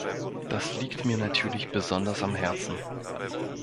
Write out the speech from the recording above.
Das liegt mir natürlich besonders am Herzen.